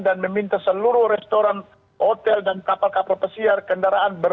dan meminta seluruh restoran hotel dan kapal kapal pesiar kendaraan bus